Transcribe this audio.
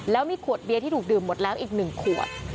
แล้วมีขวดเบียร์ที่ถูกดื่มหมดแล้วอีก๑ขวด